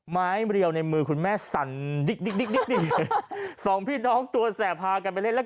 ไม้เรียวในมือคุณแม่สั่นดิ๊กดิ๊กเลยสองพี่น้องตัวแสบพากันไปเล่นแล้ว